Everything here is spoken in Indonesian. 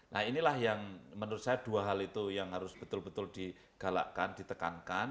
nah inilah yang menurut saya dua hal itu yang harus betul betul digalakkan ditekankan